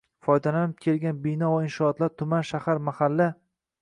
foydalanib kelgan bino va inshootlar tuman, shahar mahalla